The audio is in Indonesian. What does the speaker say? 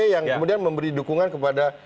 yang kemudian memberi dukungan kepada